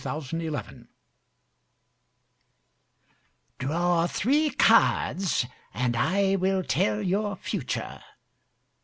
9 Autoplay 'Draw three cards, and I will tell your future